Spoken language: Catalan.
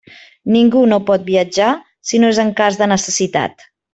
Ningú no pot viatjar, si no és en cas de necessitat.